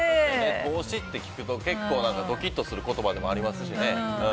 投資って聞くとドキッとする言葉でもありますしね。